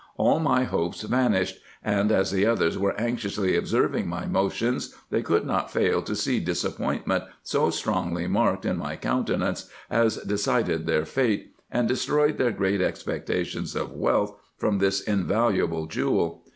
All my hopes vanished ; and as the others were anxiously observing my motions, they could not fail to see disappointment so strongly marked in my countenance, as de cided their fate, and destroyed their great expectations of wealth from this invaluable jewel.